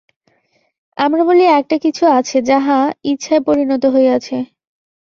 আমরা বলি, একটা কিছু আছে, যাহা ইচ্ছায় পরিণত হইয়াছে।